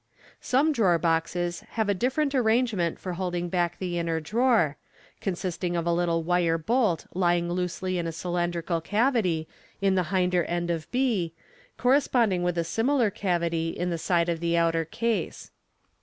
Some drawer boxes have a different arrangement for holding back Fig. 171. MODERN MAGIC, 345 Fig. 173. but will become the inner drawer, consisting of a lit le wire bole lying loosely in a cylindrical cavity in the hinder end of b, corresponding with a similar cavity in the side of the outer case.